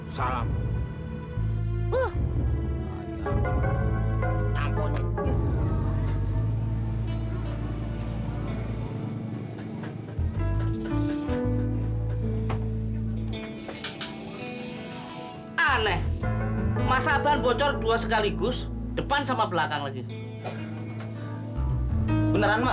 sampai jumpa di video selanjutnya